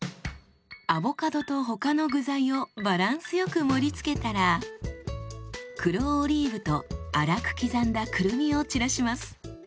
アボカドと他の具材をバランスよく盛りつけたら黒オリーブと粗く刻んだくるみを散らします。